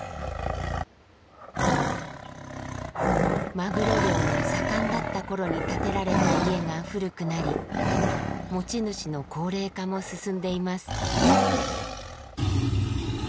マグロ漁が盛んだった頃に建てられた家が古くなり持ち主の高齢化も進んでいます。